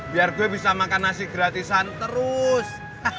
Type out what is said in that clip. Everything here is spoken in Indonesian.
biar gue bisa makan nasi gratisan terus